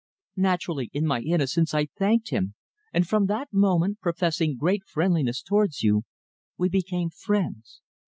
Naturally, in my innocence I thanked him, and from that moment, professing great friendliness towards you, we became friends.